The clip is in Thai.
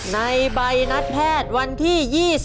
ในใบนัดแพทย์วันที่๒๔